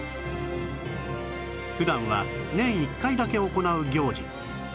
普段は年１回だけ行う行事